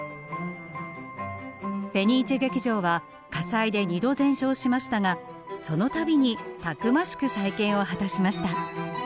フェニーチェ劇場は火災で２度全焼しましたがその度にたくましく再建を果たしました。